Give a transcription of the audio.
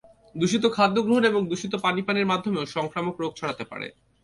দূষিত খাদ্য গ্রহণ এবং দূষিত পানি পানের মাধ্যমেও সংক্রামক রোগ ছড়াতে পারে।